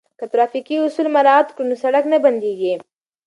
که ترافیکي اصول مراعات کړو نو سړک نه بندیږي.